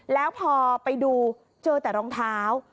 แล้วพอไปดูเจอแต่รองเท้า